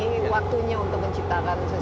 waktunya untuk menciptakan sesuatu